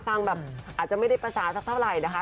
ฟังแบบอาจจะไม่ได้ภาษาสักเท่าไหร่นะคะ